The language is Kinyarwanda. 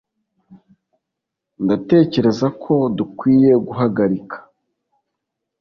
Ndatekereza ko dukwiye guhagarika